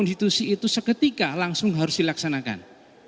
institusi itu seketika langsung harus dilaksanakan